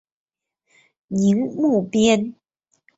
宁木边。